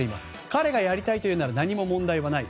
彼がやりたいと言うなら何も問題はない。